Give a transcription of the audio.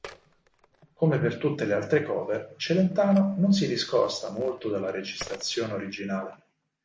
Come per tutte le altre cover, Celentano non si discosta molto dalla registrazione originale.